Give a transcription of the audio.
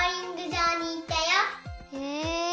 へえ！